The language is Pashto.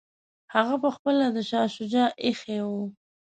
هغه پخپله د شاه شجاع اخښی وو.